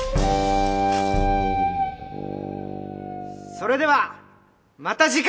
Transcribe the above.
それではまた次回！